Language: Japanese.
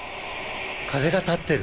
風が立ってる。